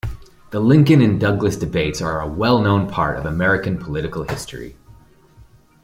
The Lincoln and Douglas debates are a well known part of American Political history.